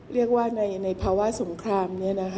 เรียกว่าในภาวะสงคราม